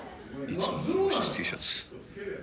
いつものＴシャツ。